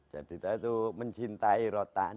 jadi kita itu mencintai rotan